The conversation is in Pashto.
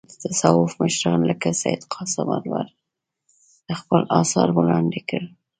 د تصوف مشران لکه سید قاسم انوار خپل اثار وړاندې کړل.